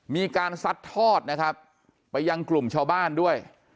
ซัดทอดนะครับไปยังกลุ่มชาวบ้านด้วย